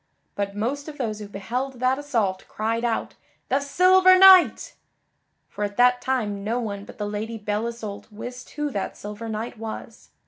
But most of those who beheld that assault cried out "The Silver Knight!" For at that time no one but the Lady Belle Isoult wist who that silver knight was.